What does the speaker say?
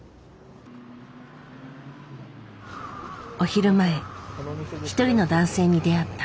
お昼前一人の男性に出会った。